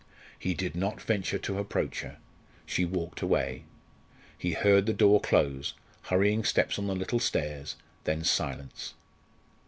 He did not venture to approach her. She walked away. He heard the door close, hurrying steps on the little stairs, then silence.